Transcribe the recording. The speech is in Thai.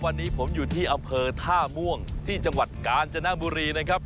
วันนี้ผมอยู่ที่อำเภอท่าม่วงที่จังหวัดกาญจนบุรีนะครับ